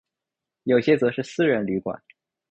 有些则是私人旅馆。